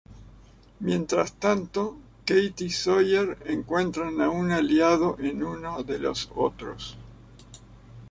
Mientras tanto, Kate y Sawyer encuentran a un aliado en uno de Los Otros.